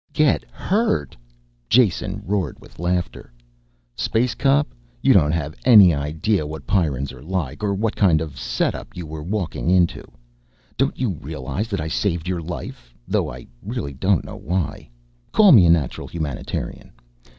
"Get hurt!" Jason roared with laughter. "Space cop, don't you have any idea what Pyrrans are like, or what kind of a setup you were walking into? Don't you realize that I saved your life though I really don't know why. Call me a natural humanitarian.